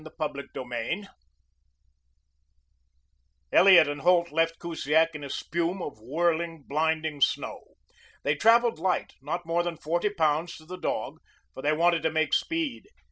CHAPTER XXVI HARD MUSHING Elliot and Holt left Kusiak in a spume of whirling, blinding snow. They traveled light, not more than forty pounds to the dog, for they wanted to make speed.